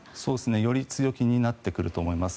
より強気になってくると思います。